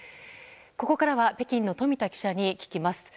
ここからは北京の富田記者に聞きます。